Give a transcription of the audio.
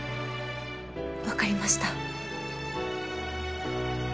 分かりました。